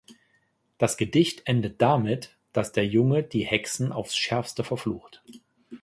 Das Gedicht endet damit, dass der Junge die Hexen aufs schärfste verflucht.